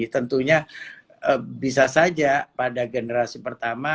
tentunya bisa saja pada generasi pertama